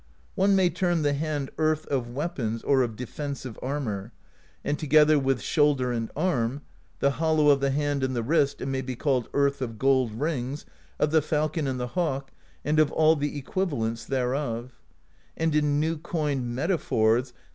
[One may term the hand Earth of Weapons or of Defensive Armor; and together with shoulder and arm, the hollow of the hand and the wrist, it may be called Earth of Gold Rings, of the Falcon and the Hawk, and of all the equivalents thereof; and in new coined meta phors.